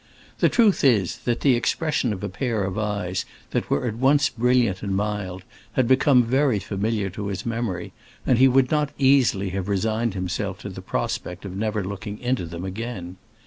The truth is that the expression of a pair of eyes that were at once brilliant and mild had become very familiar to his memory, and he would not easily have resigned himself to the prospect of never looking into them again.